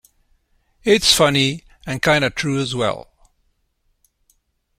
It's funny, and kinda true as well!